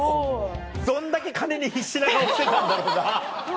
どんだけ金に必死な顔してたんだろうな？